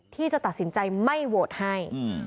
ที่จะตัดสินใจไม่โหวตให้